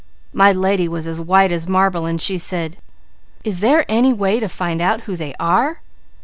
"My lady was as white as marble and she said, 'Is there any way to find out who they are?'